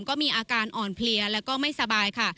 ก็มีอาการอ่อนเพลียแล้วก็ไม่สบายค่ะ